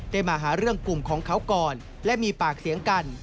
มาหาเรื่องกลุ่มของเขาก่อนและมีปากเสียงกัน